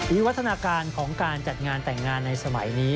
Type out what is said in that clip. วิวัฒนาการของการจัดงานแต่งงานในสมัยนี้